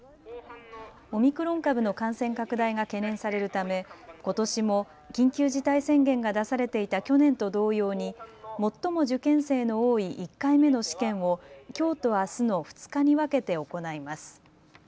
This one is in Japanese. オミクロン株の感染拡大が懸念されるためことしも緊急事態宣言が出されていた去年と同様に最も受験生の多い１回目の試験をきょうとあすの２日に分けて行います。